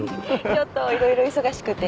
ちょっといろいろ忙しくて。